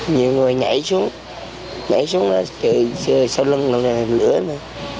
nhiều người nhảy xuống nhảy xuống là chạy xe lưng làm lửa nữa